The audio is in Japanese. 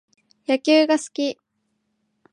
野球が好き